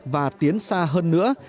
và tiến xa hơn nữa